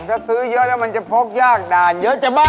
ถ้าซื้อเยอะแล้วมันจะพกยากด่านเยอะจะมาก